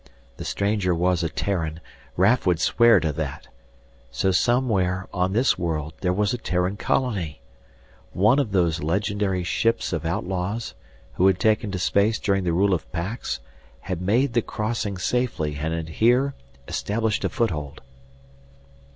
The stranger was a Terran, Raf would swear to that. So somewhere on this world there was a Terran colony! One of those legendary ships of outlaws, who had taken to space during the rule of Pax, had made the crossing safely and had here established a foothold.